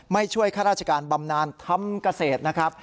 ช่วยข้าราชการบำนานทำเกษตรนะครับ